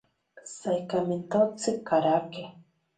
Saikamentotsi karake.